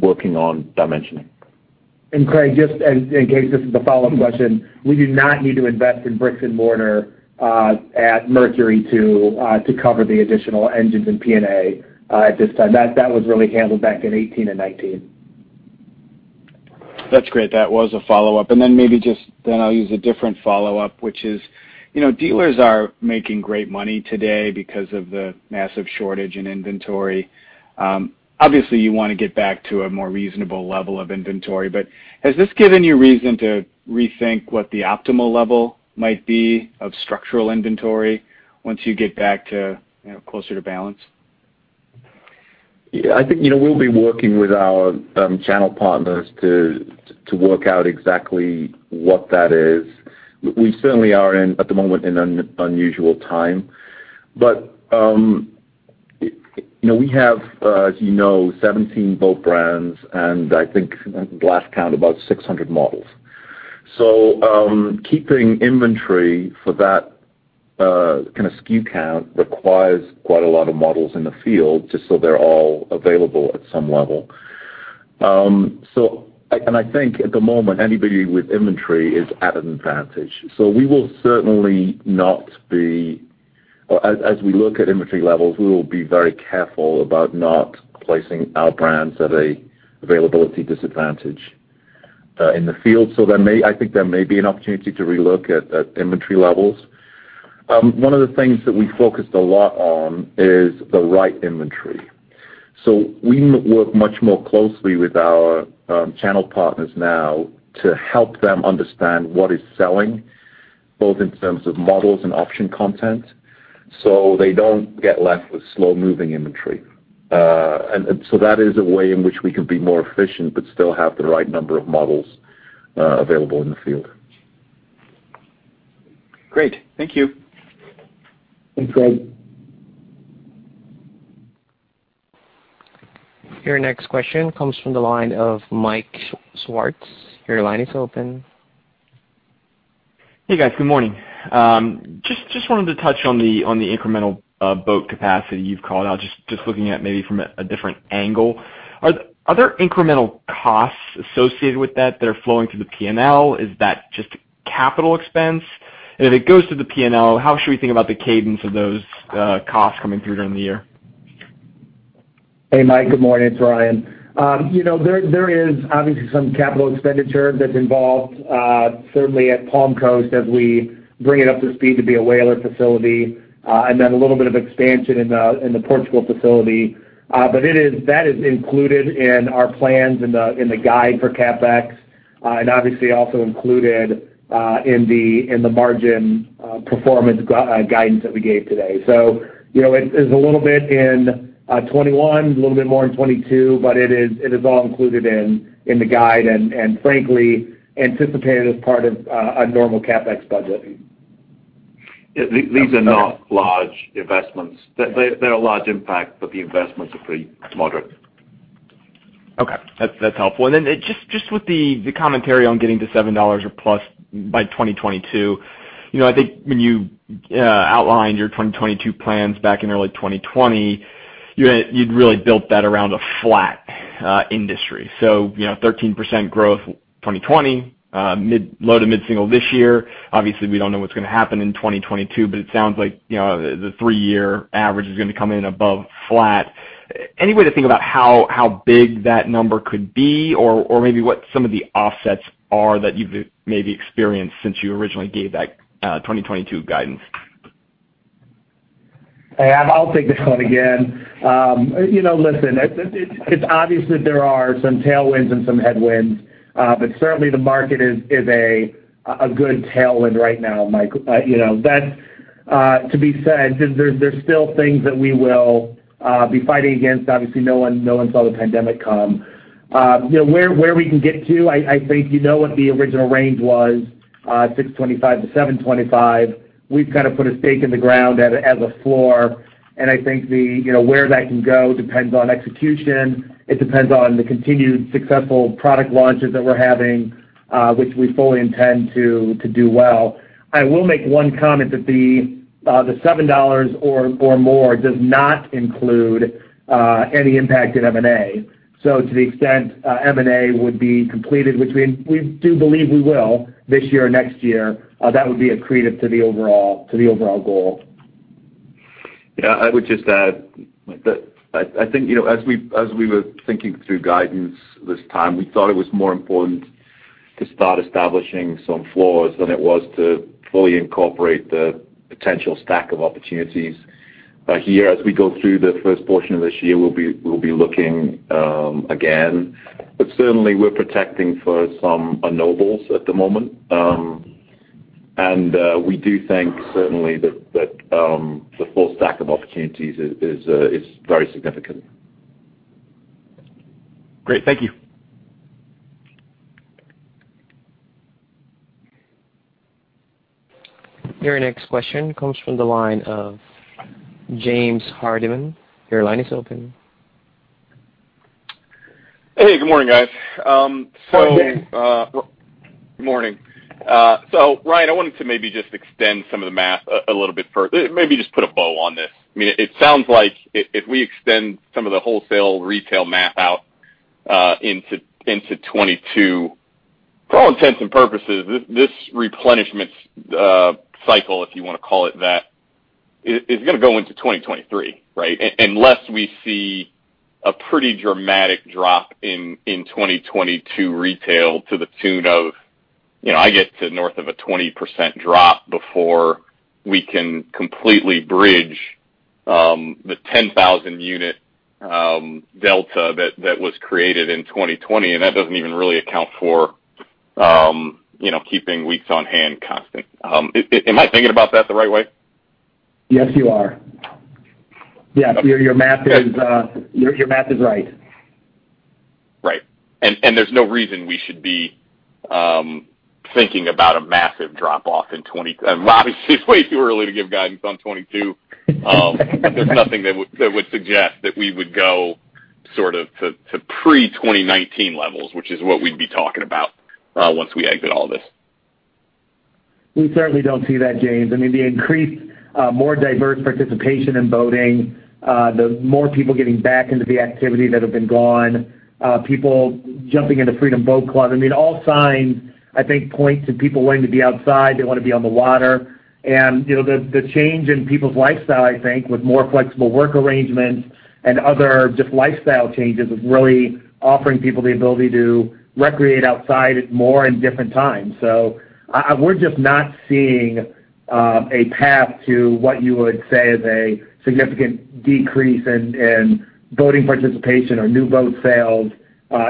working on dimensioning. Craig, just in case this is the follow-up question, we do not need to invest in bricks and mortar at Mercury to cover the additional engines and P&A at this time. That was really handled back in 2018 and 2019. That's great. That was a follow-up. And then maybe just then I'll use a different follow-up, which is dealers are making great money today because of the massive shortage in inventory. Obviously, you want to get back to a more reasonable level of inventory. But has this given you reason to rethink what the optimal level might be of structural inventory once you get back closer to balance? Yeah, I think we'll be working with our channel partners to work out exactly what that is. We certainly are at the moment in an unusual time. But we have, as you know, 17 boat brands, and I think last count about 600 models. So keeping inventory for that kind of SKU count requires quite a lot of models in the field just so they're all available at some level. And I think at the moment, anybody with inventory is at an advantage. So we will certainly not be as we look at inventory levels, we will be very careful about not placing our brands at an availability disadvantage in the field. So I think there may be an opportunity to relook at inventory levels. One of the things that we focused a lot on is the right inventory. So we work much more closely with our channel partners now to help them understand what is selling, both in terms of models and option content, so they don't get left with slow-moving inventory. And so that is a way in which we can be more efficient but still have the right number of models available in the field. Great. Thank you. Thanks, Fred. Your next question comes from the line of Mike Swartz. Your line is open. Hey, guys. Good morning. Just wanted to touch on the incremental boat capacity you've called. I'm just looking at it maybe from a different angle. Are there incremental costs associated with that that are flowing through the P&L? Is that just capital expense? And if it goes to the P&L, how should we think about the cadence of those costs coming through during the year? Hey, Mike. Good morning. It's Ryan. There is obviously some capital expenditure that's involved, certainly at Palm Coast as we bring it up to speed to be a Whaler facility, and then a little bit of expansion in the Portugal facility. But that is included in our plans in the guide for CapEx and obviously also included in the margin performance guidance that we gave today. So it's a little bit in 2021, a little bit more in 2022, but it is all included in the guide and, frankly, anticipated as part of a normal CapEx budget. Yeah, these are not large investments. They're a large impact, but the investments are pretty moderate. Okay. That's helpful. And then just with the commentary on getting to $7 or plus by 2022, I think when you outlined your 2022 plans back in early 2020, you'd really built that around a flat industry. So 13% growth 2020, low to mid-single this year. Obviously, we don't know what's going to happen in 2022, but it sounds like the three-year average is going to come in above flat. Any way to think about how big that number could be or maybe what some of the offsets are that you've maybe experienced since you originally gave that 2022 guidance? I'll take this one again. Listen, it's obvious that there are some tailwinds and some headwinds, but certainly, the market is a good tailwind right now, Mike. That's to be said. There's still things that we will be fighting against. Obviously, no one saw the pandemic come. Where we can get to, I think you know what the original range was, 625 to 725. We've kind of put a stake in the ground as a floor, and I think where that can go depends on execution. It depends on the continued successful product launches that we're having, which we fully intend to do well. I will make one comment that the $7 or more does not include any impact in M&A, so to the extent M&A would be completed, which we do believe we will this year or next year, that would be accretive to the overall goal. Yeah, I would just add that I think as we were thinking through guidance this time, we thought it was more important to start establishing some floors than it was to fully incorporate the potential stack of opportunities. Here, as we go through the first portion of this year, we'll be looking again, but certainly, we're protecting for some knowables at the moment, and we do think, certainly, that the full stack of opportunities is very significant. Great. Thank you. Your next question comes from the line of James Hardiman. Your line is open. Hey, good morning, guys. So. Good morning. Good morning. So Ryan, I wanted to maybe just extend some of the math a little bit further, maybe just put a bow on this. I mean, it sounds like if we extend some of the wholesale retail math out into 2022, for all intents and purposes, this replenishment cycle, if you want to call it that, is going to go into 2023, right? Unless we see a pretty dramatic drop in 2022 retail to the tune of, I guess, to the north of a 20% drop before we can completely bridge the 10,000-unit delta that was created in 2020. And that doesn't even really account for keeping weeks on hand constant. Am I thinking about that the right way? Yes, you are. Yeah, your math is right. Right, and there's no reason we should be thinking about a massive drop-off in 2022. Obviously, it's way too early to give guidance on 2022. There's nothing that would suggest that we would go sort of to pre-2019 levels, which is what we'd be talking about once we exit all this. We certainly don't see that, James. I mean, the increased, more diverse participation in boating, the more people getting back into the activity that have been gone, people jumping into Freedom Boat Club. I mean, all signs, I think, point to people wanting to be outside. They want to be on the water. The change in people's lifestyle, I think, with more flexible work arrangements and other just lifestyle changes is really offering people the ability to recreate outside more in different times. We're just not seeing a path to what you would say is a significant decrease in boating participation or new boat sales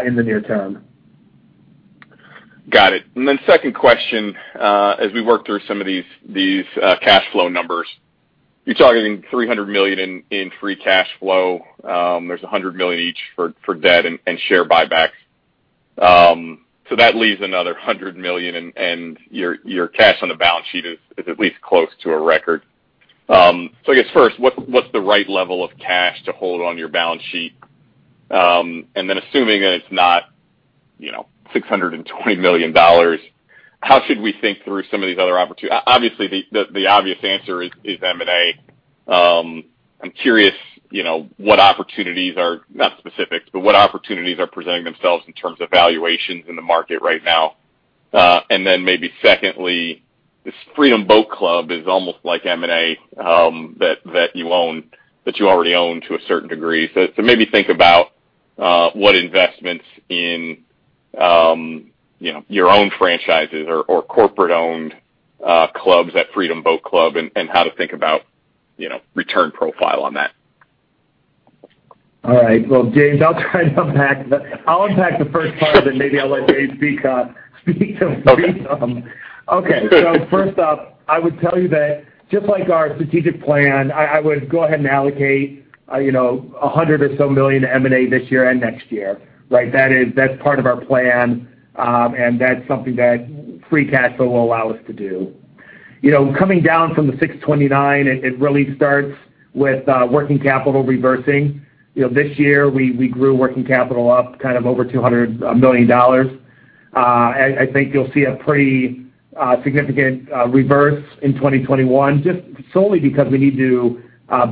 in the near term. Got it. And then second question, as we work through some of these cash flow numbers, you're talking $300 million in free cash flow. There's $100 million each for debt and share buybacks. So that leaves another $100 million, and your cash on the balance sheet is at least close to a record. So I guess first, what's the right level of cash to hold on your balance sheet? And then assuming that it's not $620 million, how should we think through some of these other opportunities? Obviously, the obvious answer is M&A. I'm curious what opportunities are not specifics, but what opportunities are presenting themselves in terms of valuations in the market right now? And then maybe secondly, this Freedom Boat Club is almost like M&A that you own, that you already own to a certain degree. So maybe think about what investments in your own franchises or corporate-owned clubs at Freedom Boat Club and how to think about return profile on that. All right. James, I'll try to unpack the first part of it. Maybe I'll let Dave speak to them. Okay. So first off, I would tell you that just like our strategic plan, I would go ahead and allocate $100 million or so to M&A this year and next year, right? That's part of our plan, and that's something that free cash flow will allow us to do. Coming down from the $629 million, it really starts with working capital reversing. This year, we grew working capital up kind of over $200 million. I think you'll see a pretty significant reverse in 2021 just solely because we need to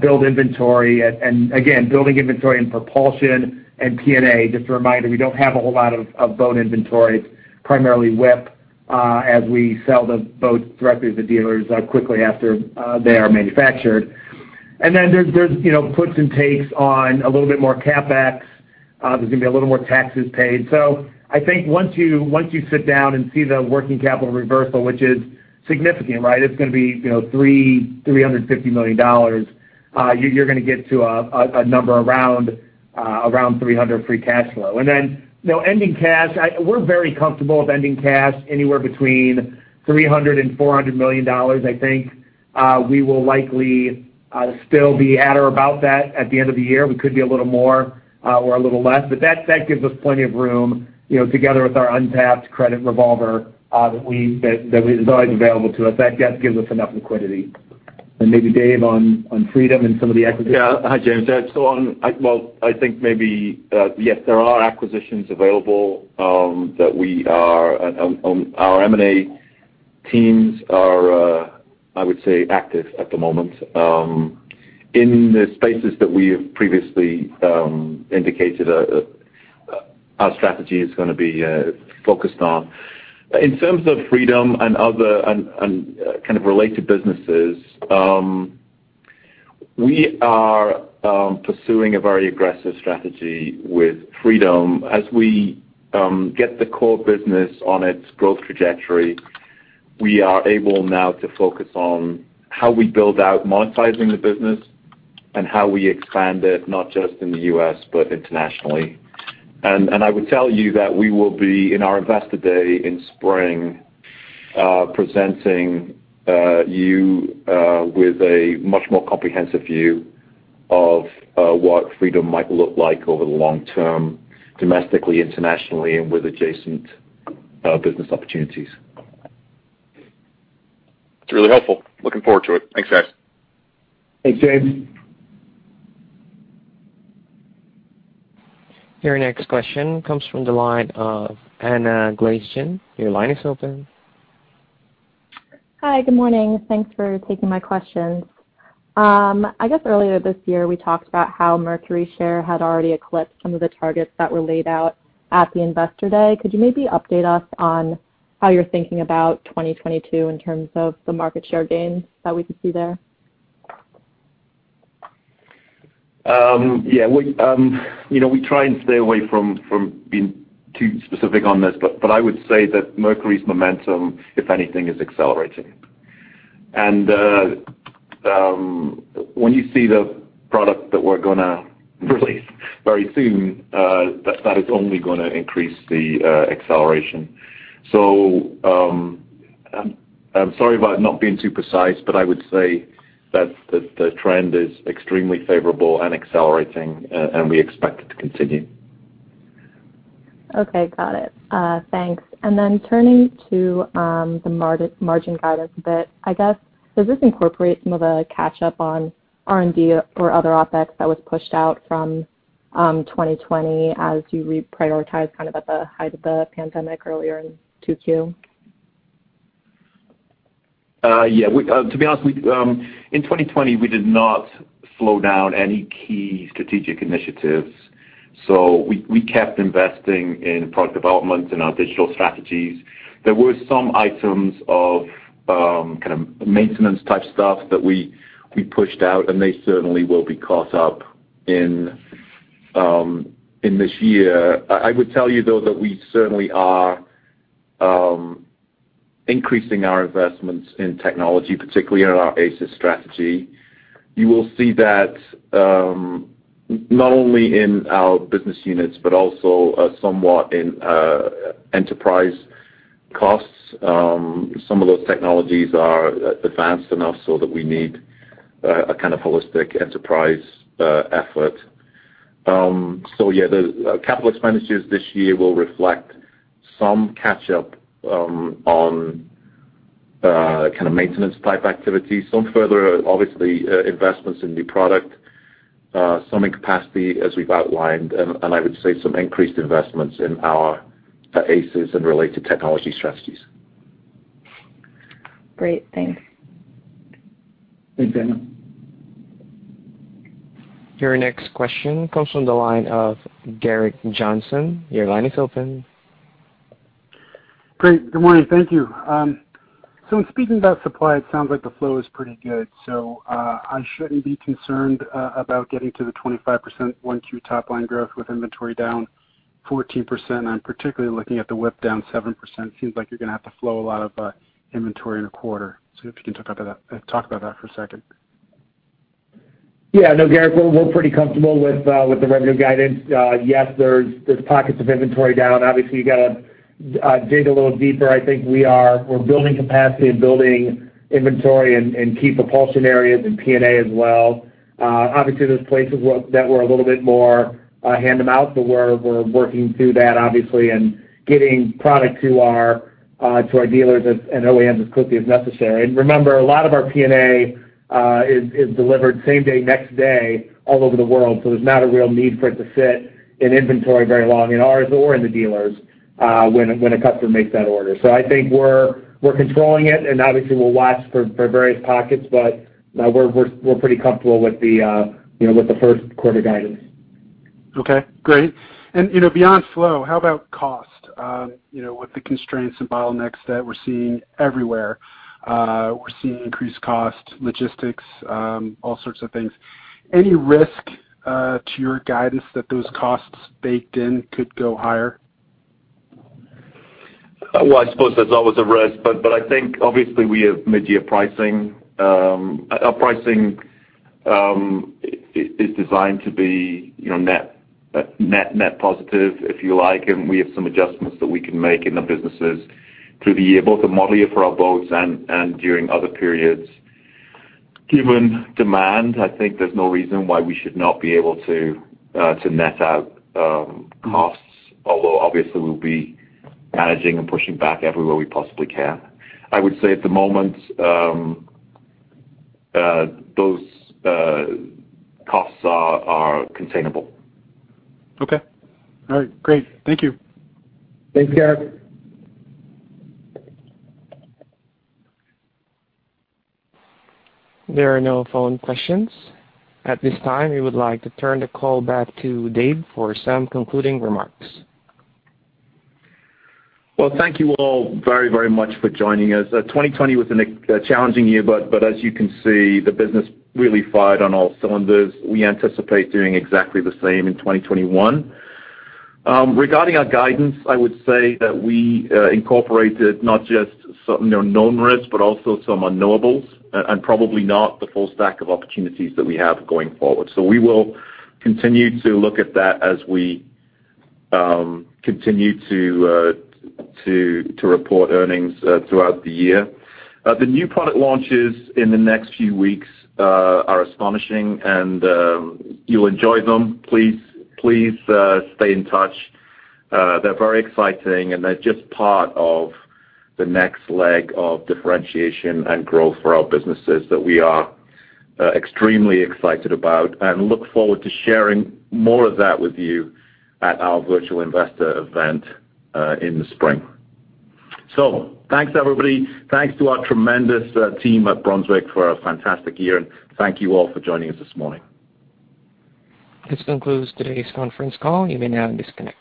build inventory and, again, building inventory and propulsion and P&A. Just a reminder, we don't have a whole lot of boat inventory. It's primarily WIP as we sell the boats directly to the dealers quickly after they are manufactured. And then there are puts and takes on a little bit more CapEx. There is going to be a little more taxes paid. So I think once you sit down and see the working capital reversal, which is significant, right? It is going to be $350 million. You are going to get to a number around 300 free cash flow. And then ending cash, we are very comfortable with ending cash anywhere between $300 million-$400 million. I think we will likely still be at or about that at the end of the year. We could be a little more or a little less. But that gives us plenty of room together with our untapped credit revolver that is always available to us. That gives us enough liquidity. And maybe Dave on Freedom and some of the exercises. Yeah. Hi, James. Well, I think maybe, yes, there are acquisitions available that our M&A teams are, I would say, active at the moment. In the spaces that we have previously indicated, our strategy is going to be focused on. In terms of Freedom and other kind of related businesses, we are pursuing a very aggressive strategy with Freedom. As we get the core business on its growth trajectory, we are able now to focus on how we build out monetizing the business and how we expand it, not just in the U.S., but internationally. And I would tell you that we will be in our investor day in spring presenting you with a much more comprehensive view of what Freedom might look like over the long term domestically, internationally, and with adjacent business opportunities. That's really helpful. Looking forward to it. Thanks, guys. Thanks, James. Your next question comes from the line of Anna Glaessgen. Your line is open. Hi. Good morning. Thanks for taking my questions. I guess earlier this year, we talked about how Mercury's share had already eclipsed some of the targets that were laid out at the investor day. Could you maybe update us on how you're thinking about 2022 in terms of the market share gains that we could see there? Yeah. We try and stay away from being too specific on this, but I would say that Mercury's momentum, if anything, is accelerating. And when you see the product that we're going to release very soon, that is only going to increase the acceleration. So I'm sorry about not being too precise, but I would say that the trend is extremely favorable and accelerating, and we expect it to continue. Okay. Got it. Thanks. And then turning to the margin guidance a bit, I guess, does this incorporate some of the catch-up on R&D or other OpEx that was pushed out from 2020 as you reprioritized kind of at the height of the pandemic earlier in 2022? Yeah. To be honest, in 2020, we did not slow down any key strategic initiatives, so we kept investing in product development and our digital strategies. There were some items of kind of maintenance-type stuff that we pushed out, and they certainly will be caught up in this year. I would tell you, though, that we certainly are increasing our investments in technology, particularly in our ACES strategy. You will see that not only in our business units, but also somewhat in enterprise costs. Some of those technologies are advanced enough so that we need a kind of holistic enterprise effort, so yeah, the capital expenditures this year will reflect some catch-up on kind of maintenance-type activities, some further, obviously, investments in new product, some in capacity, as we've outlined, and I would say some increased investments in our ACES and related technology strategies. Great. Thanks. Thanks, Anna. Your next question comes from the line of Gerrick Johnson. Your line is open. Great. Good morning. Thank you. So in speaking about supply, it sounds like the flow is pretty good. So I shouldn't be concerned about getting to the 25% 1Q top-line growth with inventory down 14%. I'm particularly looking at the WIP down 7%. It seems like you're going to have to flow a lot of inventory in a quarter. So if you can talk about that for a second. Yeah. No, Gerrick, we're pretty comfortable with the revenue guidance. Yes, there's pockets of inventory down. Obviously, you got to dig a little deeper. I think we're building capacity and building inventory and key propulsion areas and P&A as well. Obviously, there's places that were a little bit more hand-to-mouth, but we're working through that, obviously, and getting product to our dealers and OEMs as quickly as necessary. And remember, a lot of our P&A is delivered same day, next day, all over the world. So there's not a real need for it to sit in inventory very long in ours or in the dealers when a customer makes that order. So I think we're controlling it, and obviously, we'll watch for various pockets, but we're pretty comfortable with the first quarter guidance. Okay. Great. And beyond flow, how about cost? With the constraints and bottlenecks that we're seeing everywhere, we're seeing increased costs, logistics, all sorts of things. Any risk to your guidance that those costs baked in could go higher? I suppose there's always a risk, but I think, obviously, we have mid-year pricing. Our pricing is designed to be net positive, if you like, and we have some adjustments that we can make in the businesses through the year, both the model year for our boats and during other periods. Given demand, I think there's no reason why we should not be able to net out costs, although obviously, we'll be managing and pushing back everywhere we possibly can. I would say at the moment, those costs are containable. Okay. All right. Great. Thank you. Thanks, Gerrick. There are no following questions. At this time, we would like to turn the call back to Dave for some concluding remarks. Thank you all very, very much for joining us. 2020 was a challenging year, but as you can see, the business really fired on all cylinders. We anticipate doing exactly the same in 2021. Regarding our guidance, I would say that we incorporated not just some known risks, but also some unknowables and probably not the full stack of opportunities that we have going forward. So we will continue to look at that as we continue to report earnings throughout the year. The new product launches in the next few weeks are astonishing, and you'll enjoy them. Please stay in touch. They're very exciting, and they're just part of the next leg of differentiation and growth for our businesses that we are extremely excited about and look forward to sharing more of that with you at our virtual investor event in the spring. So thanks, everybody. Thanks to our tremendous team at Brunswick for a fantastic year, and thank you all for joining us this morning. This concludes today's conference call. You may now disconnect.